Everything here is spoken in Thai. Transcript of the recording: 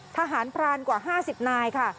ทหารพรานกว่าห้าสิบนายค่ะ